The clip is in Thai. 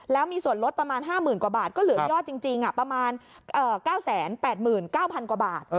แล้วมีส่วนลดประมาณ๕๐๐๐กว่าบาทก็เหลือยอดจริงประมาณ๙๘๙๐๐กว่าบาท